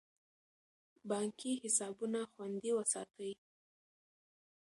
بانکي حسابونه خوندي وساتئ.